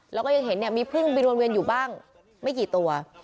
แล้วก็ยังเห็นเนี่ยมีพึ่งบินวนเวียนอยู่บ้างไม่กี่ตัว